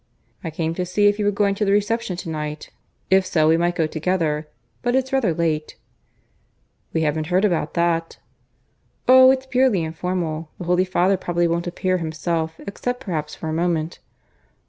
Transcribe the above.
"I came to see if you were going to the reception to night. If so, we might go together. But it's rather late!" "We haven't heard about that." "Oh! it's purely informal. The Holy Father probably won't appear himself, except perhaps for a moment."